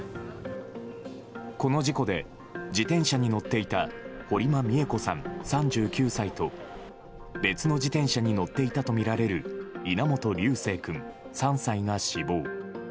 この事故で自転車に乗っていた堀間美恵子さん、３９歳と別の自転車に乗っていたとみられる稲本琉正君、３歳が死亡。